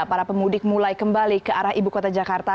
para pemudik mulai kembali ke arah ibu kota jakarta